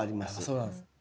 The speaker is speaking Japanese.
そうなんですね。